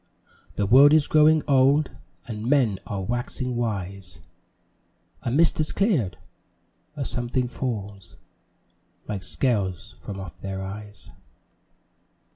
The world is growing old, And men are waxing wise; A mist has cleared a something falls Like scales from off their eyes.